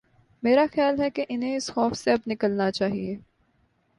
میرا خیال ہے کہ انہیں اس خوف سے اب نکلنا چاہیے۔